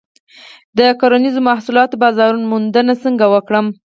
د کرنیزو محصولاتو بازار موندنه څنګه وکړم؟